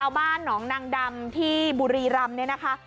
บ้านหนองนางดำที่บุรีรำเนี่ยนะคะ